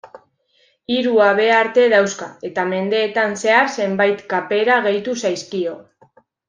Hiru habearte dauzka eta mendeetan zehar zenbait kapera gehitu zaizkio.